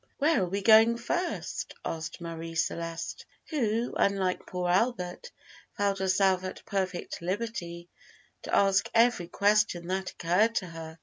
"Where are we going first?" asked Marie Celeste, who, unlike poor Albert, felt herself at perfect liberty to ask every question that occurred to her.